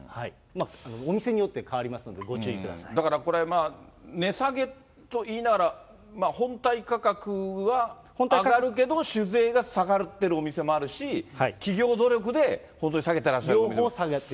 お店によって変わりますので、ごだからこれ、値下げと言いながら、本体価格は上がるけど、酒税が下がっているお店もあるし、企業努力で本当に下げてらっしゃることも。